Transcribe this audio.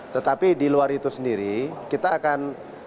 tetapi di luar itu sendiri kita akan